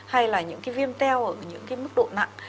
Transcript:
hay là những cái viêm teo ở những cái mức độ nặng